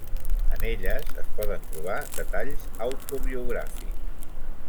En elles es poden trobar detalls autobiogràfics.